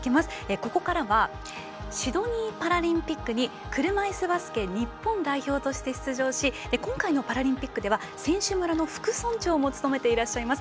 ここからはシドニーパラリンピックに車いすバスケ日本代表として出場し今回のパラリンピックでは選手村の副村長を務めていらっしゃいます